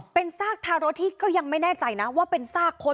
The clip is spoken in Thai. เป็นซากทารกที่ก็ยังไม่แน่ใจนะว่าเป็นซากคน